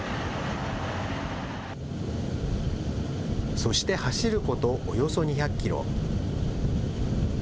そして走ることおよそ２００キロ。